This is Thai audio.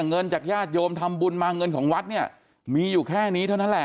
เงินจากญาติโยมทำบุญมาเงินของวัดเนี่ยมีอยู่แค่นี้เท่านั้นแหละ